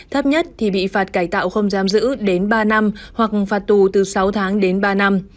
thấp nhất thì bị phạt cải tạo không giam giữ đến ba năm hoặc phạt tù từ sáu tháng đến ba năm